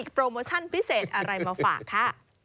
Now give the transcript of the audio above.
โปรโมชั่นพิเศษอะไรมาฝากค่ะ